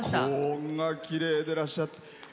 こんなきれいでいらっしゃって。